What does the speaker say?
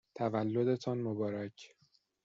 تولدتان مبارک!